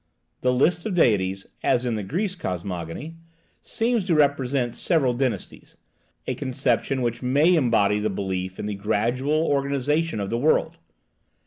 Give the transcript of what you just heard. The list of deities (as in the Greek cosmogony) seems to represent several dynasties, a conception which may embody the belief in the gradual organization of the world.